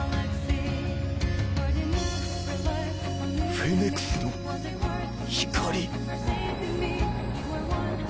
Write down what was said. フェネクスの光？